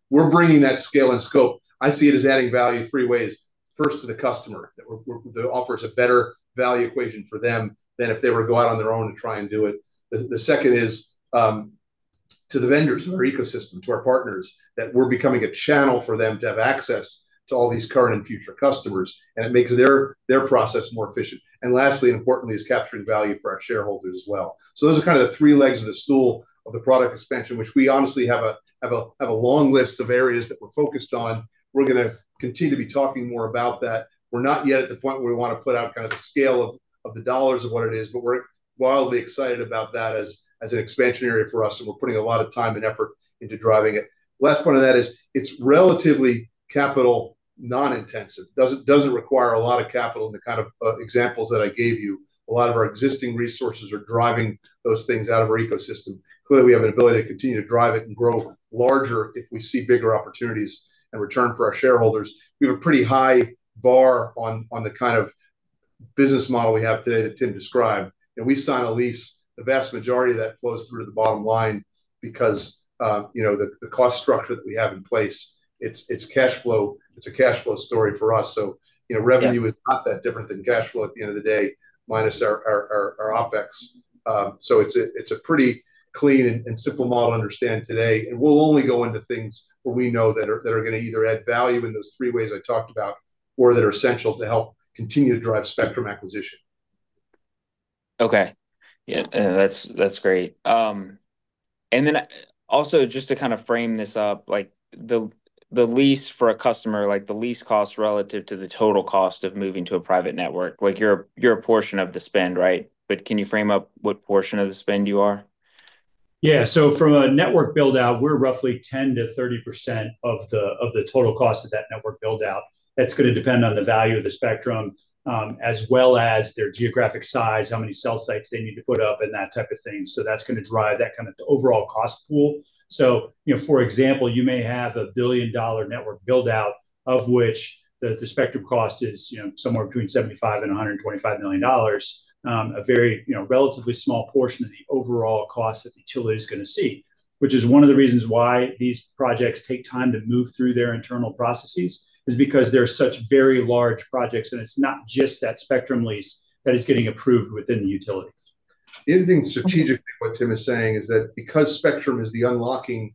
We're bringing that scale and scope. I see it as adding value three ways. First to the customer, That offers a better value equation for them than if they were to go out on their own to try and do it. The second is to the vendors in our ecosystem, to our partners, that we're becoming a channel for them to have access to all these current and future customers, it makes their process more efficient. Lastly and importantly is capturing value for our shareholders as well. Those are kind of the three legs of the stool of the product expansion, which we honestly have a long list of areas that we're focused on. We're gonna continue to be talking more about that. We're not yet at the point where we wanna put out kind of the scale of the dollars of what it is, but we're wildly excited about that as an expansion area for us, and we're putting a lot of time and effort into driving it. Last point of that is it's relatively capital non-intensive. Doesn't require a lot of capital in the kind of examples that I gave you. A lot of our existing resources are driving those things out of our ecosystem. Clearly we have an ability to continue to drive it and grow larger if we see bigger opportunities and return for our shareholders. We have a pretty high bar on the kind of business model we have today that Tim described. We sign a lease, the vast majority of that flows through to the bottom line because, you know, the cost structure that we have in place, it's cash flow. It's a cash flow story for us. You know, revenue- Yeah is not that different than cash flow at the end of the day, minus our OpEx. It's a pretty clean and simple model to understand today. We'll only go into things where we know that are gonna either add value in those three ways I talked about, or that are essential to help continue to drive spectrum acquisition. Okay. Yeah. No, that's great. Also just to kind of frame this up, the lease for a customer, the lease cost relative to the total cost of moving to a private network, you're a portion of the spend, right? Can you frame up what portion of the spend you are? Yeah. From a network build-out, we're roughly 10%-30% of the total cost of that network build-out. That's gonna depend on the value of the spectrum, as well as their geographic size, how many cell sites they need to put up and that type of thing. That's gonna drive that kind of the overall cost pool. You know, for example, you may have a billion-dollar network build-out of which the spectrum cost is, you know, somewhere between $75 million-$125 million, a very, you know, relatively small portion of the overall cost that the utility is gonna see, which is one of the reasons why these projects take time to move through their internal processes, is because they're such very large projects, and it's not just that spectrum lease that is getting approved within the utilities. The other thing strategically what Tim is saying is that because spectrum is the unlocking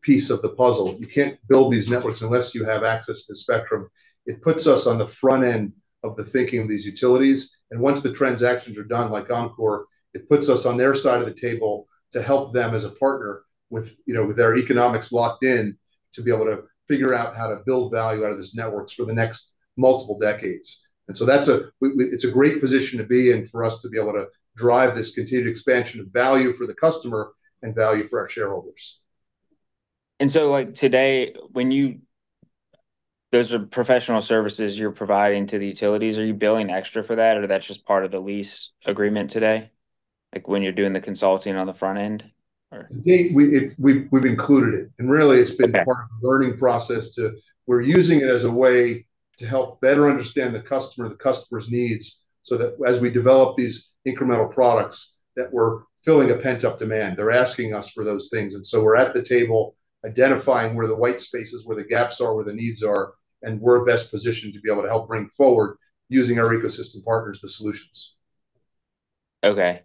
piece of the puzzle, you can't build these networks unless you have access to the spectrum. It puts us on the front end of the thinking of these utilities, and once the transactions are done, like Oncor, it puts us on their side of the table to help them as a partner with, you know, with their economics locked in to be able to figure out how to build value out of these networks for the next multiple decades. It's a great position to be in for us to be able to drive this continued expansion of value for the customer and value for our shareholders. Like today, those are professional services you're providing to the utilities. Are you billing extra for that, or that's just part of the lease agreement today, like when you're doing the consulting on the front end? To date, we've included it. Okay. Really it's been part of a learning process to, we're using it as a way to help better understand the customer, the customer's needs, so that as we develop these incremental products, that we're filling a pent-up demand. They're asking us for those things. So we're at the table identifying where the white spaces, where the gaps are, where the needs are, and we're best positioned to be able to help bring forward using our ecosystem partners the solutions. Okay.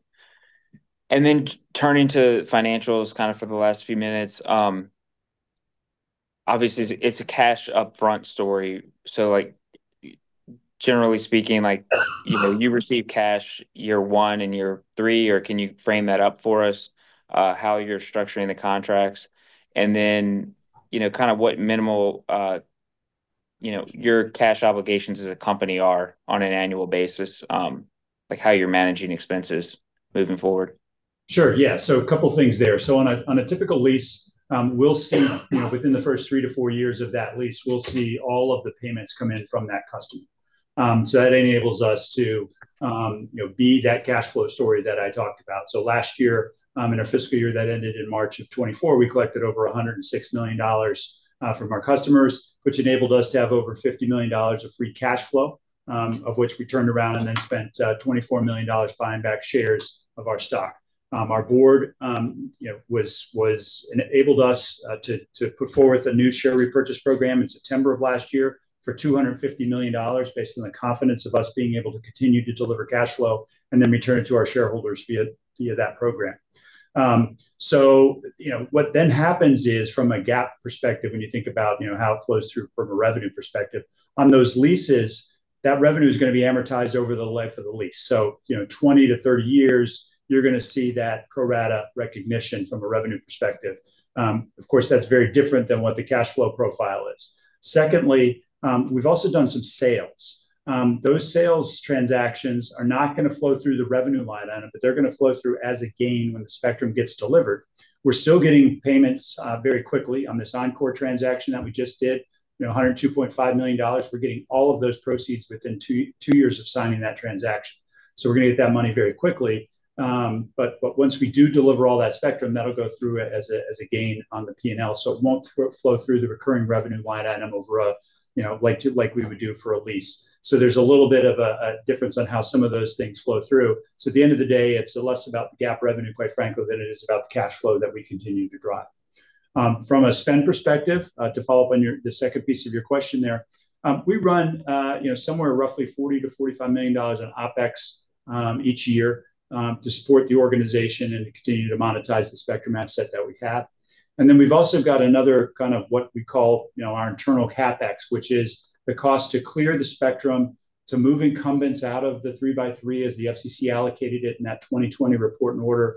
Turning to financials kind of for the last few minutes, obviously it's a cash upfront story. Generally speaking, like, you know, you receive cash year one and year three, or can you frame that up for us, how you're structuring the contracts? What minimal, you know, your cash obligations as a company are on an annual basis, like how you're managing expenses moving forward. Sure, yeah. A couple things there. On a, on a typical lease, we'll see, you know, within the first three to four years of that lease, we'll see all of the payments come in from that customer. That enables us to, you know, be that cash flow story that I talked about. Last year, in our fiscal year that ended in March 2024, we collected over $106 million from our customers, which enabled us to have over $50 million of free cash flow, of which we turned around and then spent $24 million buying back shares of our stock. Our board, you know, enabled us to put forth a new share repurchase program in September of last year for $250 million based on the confidence of us being able to continue to deliver cash flow and then return to our shareholders via that program. You know, what then happens is, from a GAAP perspective when you think about, you know, how it flows through from a revenue perspective, on those leases, that revenue's gonna be amortized over the life of the lease. You know, 20 to 30 years, you're gonna see that pro rata recognition from a revenue perspective. Of course, that's very different than what the cash flow profile is. Secondly, we've also done some sales. Those sales transactions are not going to flow through the revenue line item, but they're going to flow through as a gain when the spectrum gets delivered. We're still getting payments very quickly on this Oncor transaction that we just did. You know, $102.5 million, we're getting all of those proceeds within two years of signing that transaction. We're going to get that money very quickly. But once we do deliver all that spectrum, that will go through as a gain on the P&L. It won't flow through the recurring revenue line item over a, you know, like we would do for a lease. There's a little bit of a difference on how some of those things flow through. At the end of the day, it's less about the GAAP revenue, quite frankly, than it is about the cash flow that we continue to drive. From a spend perspective, to follow up on your, the second piece of your question there, we run, you know, somewhere roughly $40 million-$45 million on OpEx each year to support the organization and to continue to monetize the spectrum asset that we have. We've also got another kind of what we call, you know, our internal CapEx, which is the cost to clear the spectrum to move incumbents out of the three by three as the FCC allocated it in that 2020 Report and Order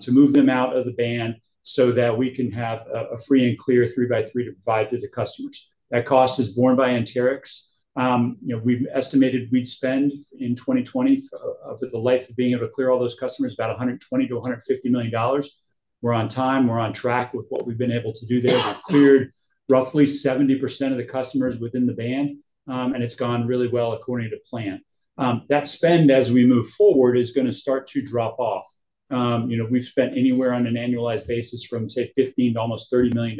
to move them out of the band so that we can have a free and clear three by three to provide to the customers. That cost is borne by Anterix. You know, we've estimated we'd spend, in 2020, for the life of being able to clear all those customers, about $120 million-$150 million. We're on time. We're on track with what we've been able to do there. We've cleared roughly 70% of the customers within the band, and it's gone really well according to plan. That spend as we move forward is gonna start to drop off. You know, we've spent anywhere on an annualized basis from, say, $15 million to almost $30 million.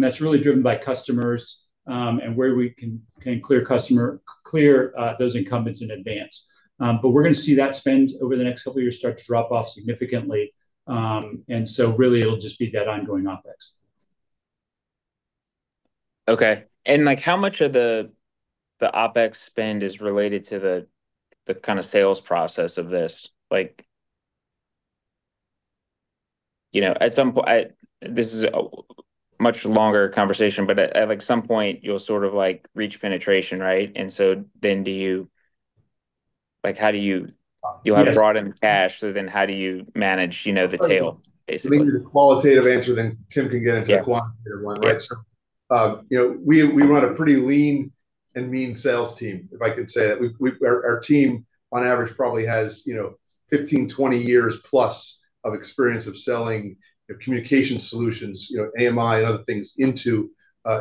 That's really driven by customers, and where we can clear those incumbents in advance. But we're gonna see that spend over the next couple of years start to drop off significantly. Really it'll just be that ongoing OpEx. Okay. Like, how much of the OpEx spend is related to the kind of sales process of this? Like, you know, at some point, this is a much longer conversation, but at, like, some point, you'll sort of, like, reach penetration, right? Do you Like, how do you Yes. You'll have brought in cash, so then how do you manage, you know, the tail, basically? I'll give you the qualitative answer, then Tim can get into. Yes. quantitative one. Right. You know, we run a pretty lean and mean sales team, if I could say that. Our team on average probably has, you know, 15, 20+ years of experience of selling communication solutions, you know, AMI and other things into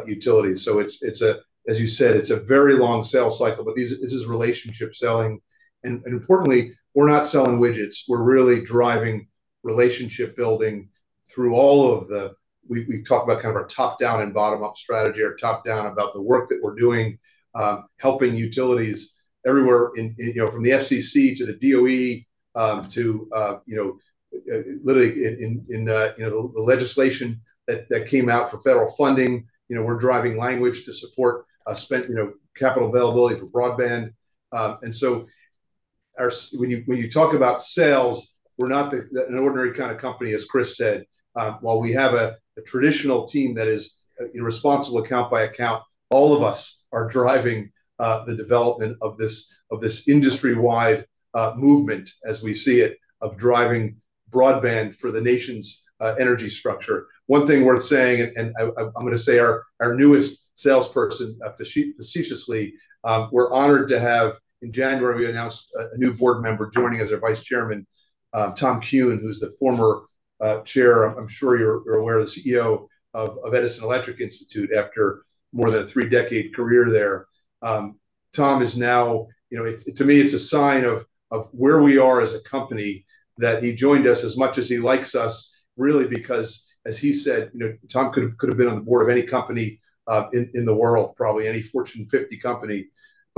utilities. It's a, as you said, it's a very long sales cycle, but this is relationship selling. Importantly, we're not selling widgets. We're really driving relationship building. We talk about kind of our top-down and bottom-up strategy, or top-down about the work that we're doing, helping utilities everywhere in, you know, from the FCC to the DOE, to, you know, literally in, you know, the legislation that came out for federal funding. You know, we're driving language to support spend, you know, capital availability for broadband. When you, when you talk about sales, we're not an ordinary kind of company, as Chris said. While we have a traditional team that is, you know, responsible account by account, all of us are driving the development of this industry-wide movement as we see it, of driving broadband for the nation's energy structure. One thing worth saying, I'm gonna say our newest salesperson facetiously, we're honored to have. In January, we announced a new board member joining as our Vice Chairman, Tom Kuhn, who's the former Chair, I'm sure you're aware, the CEO of Edison Electric Institute after more than a three-decade career there. Tom is now, you know, to me, it's a sign of where we are as a company that he joined us as much as he likes us, really because, as he said, you know, Tom could've been on the board of any company in the world, probably any Fortune 50 company.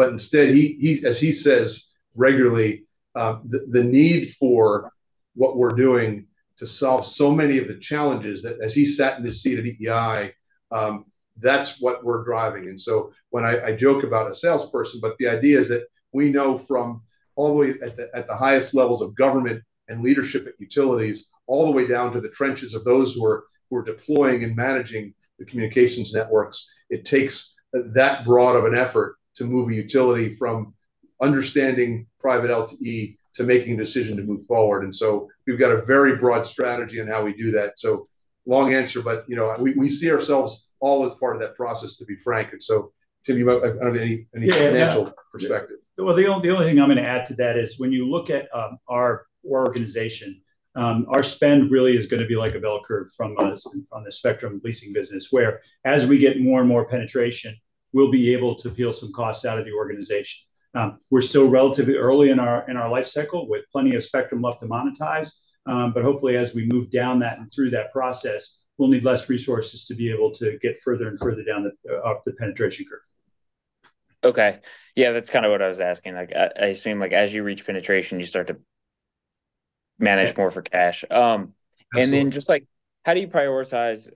Instead he, as he says regularly, the need for what we're doing to solve so many of the challenges that as he sat in the seat at EEI, that's what we're driving. When I joke about a salesperson, the idea is that we know from all the way at the highest levels of government and leadership at utilities, all the way down to the trenches of those who are deploying and managing the communications networks. It takes that broad of an effort to move a utility from. Understanding private LTE to making a decision to move forward. We've got a very broad strategy on how we do that. Long answer, you know, we see ourselves all as part of that process, to be frank. Tim, you might have any. Yeah, yeah. financial perspective. The only thing I'm gonna add to that is when you look at our organization, our spend really is gonna be like a bell curve from the spectrum leasing business, where as we get more and more penetration, we'll be able to peel some costs out of the organization. We're still relatively early in our life cycle with plenty of spectrum left to monetize. Hopefully as we move down that and through that process, we'll need less resources to be able to get further and further down the, up the penetration curve. Okay. Yeah, that's kind of what I was asking. Like, I assume, like, as you reach penetration, you start to manage more for cash. Absolutely Just, like, how do you prioritize,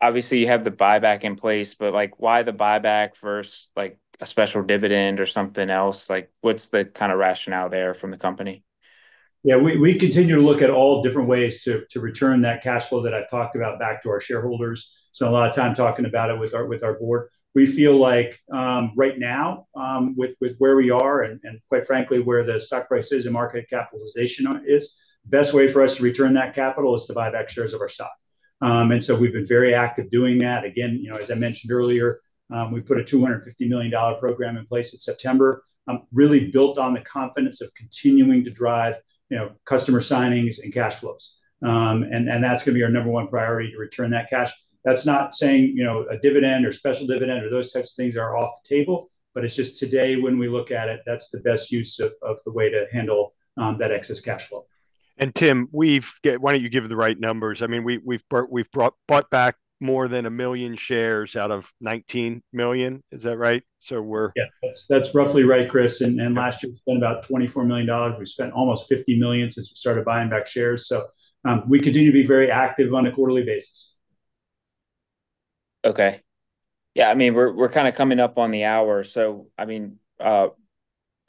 like, obviously, you have the buyback in place, but, like, why the buyback versus, like, a special dividend or something else? Like, what's the kind of rationale there from the company? Yeah. We continue to look at all different ways to return that cash flow that I've talked about back to our shareholders. Spend a lot of time talking about it with our board. We feel like right now with where we are, and quite frankly, where the stock price is and market capitalization are, is best way for us to return that capital is to buy back shares of our stock. We've been very active doing that. Again, you know, as I mentioned earlier, we put a $250 million program in place in September, really built on the confidence of continuing to drive, you know, customer signings and cash flows. That's gonna be our number one priority to return that cash. That's not saying, you know, a dividend or special dividend or those types of things are off the table, but it's just today when we look at it, that's the best use of the way to handle that excess cash flow. Tim, why don't you give the right numbers? I mean, we've bought back more than 1 million shares out of 19 million. Is that right? We're. Yeah. That's roughly right, Chris. Last year we spent about $24 million. We've spent almost $50 million since we started buying back shares. We continue to be very active on a quarterly basis. Okay. I mean, we're kind of coming up on the hour.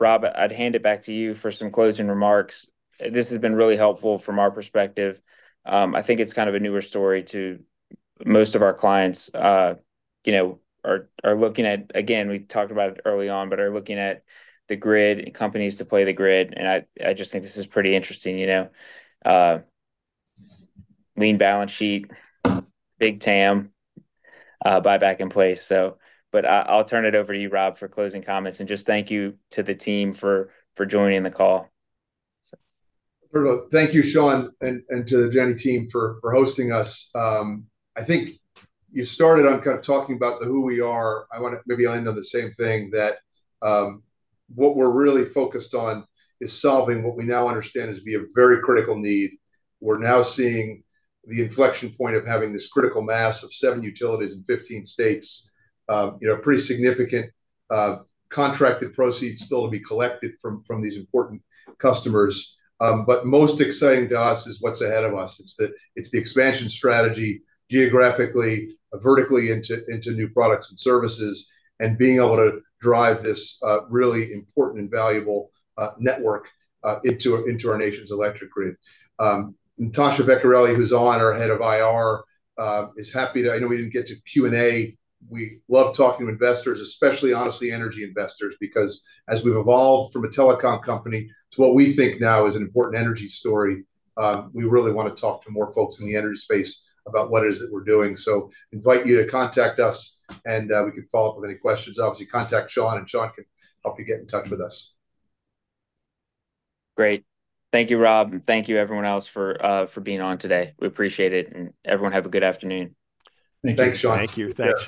Robert, I'd hand it back to you for some closing remarks. This has been really helpful from our perspective. I think it's kind of a newer story to most of our clients, you know, are looking at, again, we talked about it early on, but are looking at the grid, companies to play the grid, and I just think this is pretty interesting, you know. Lean balance sheet, big TAM, buyback in place. But I'll turn it over to you, Robert, for closing comments. Just thank you to the team for joining the call. Thank you, Sean, and to the Janney team for hosting us. I think you started on kind of talking about the who we are. Maybe I'll end on the same thing that what we're really focused on is solving what we now understand to be a very critical need. We're now seeing the inflection point of having this critical mass of seven utilities in 15 states, you know, pretty significant contracted proceeds still to be collected from these important customers. Most exciting to us is what's ahead of us. It's the expansion strategy geographically, vertically into new products and services and being able to drive this really important and valuable network into our nation's electric grid. Natasha Vecchiarelli, who's on, our head of IR, is happy too. I know we didn't get to Q&A. We love talking to investors, especially, honestly, energy investors because as we've evolved from a telecom company to what we think now is an important energy story, we really wanna talk to more folks in the energy space about what it is that we're doing. Invite you to contact us, and we can follow up with any questions. Contact Sean, and Sean can help you get in touch with us. Great. Thank you, Rob. Thank you everyone else for for being on today. We appreciate it. Everyone have a good afternoon. Thanks, Sean. Thank you. Thanks, Sean